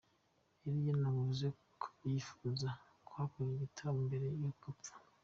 Yari yanavuze ko yifuza kuhakorera igitaramo mbere yuko apfa.